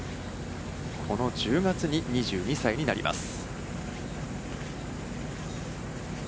この１０月に２２歳になります。